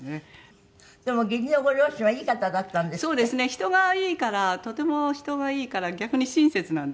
人がいいからとても人がいいから逆に親切なんですよね。